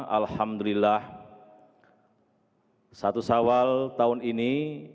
alhamdulillah satu sawal tahun ini